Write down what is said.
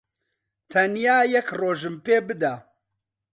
تەنیا یەک ڕۆژم پێ بدە.